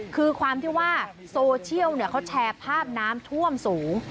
คือความที่ว่าโซเชียลเขาแชร์ภาพน้ำท่วมสูง